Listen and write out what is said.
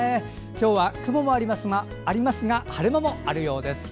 今日は雲もありますが晴れ間もあるようです。